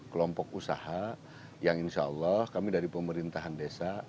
kelompok usaha yang insya allah kami dari pemerintahan desa